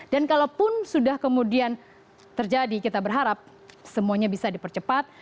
dan kalaupun sudah kemudian terjadi kita berharap semuanya bisa dipercepat